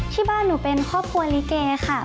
ที่บ้านหนูเป็นครอบครัวลิเกค่ะ